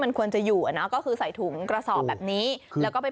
มันควรจะอยู่อ่ะเนอะก็คือใส่ถุงกระสอบแบบนี้แล้วก็ไป